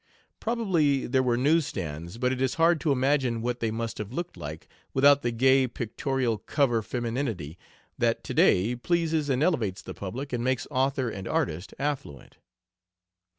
Probably there were news stands, but it is hard to imagine what they must have looked like without the gay pictorial cover femininity that to day pleases and elevates the public and makes author and artist affluent.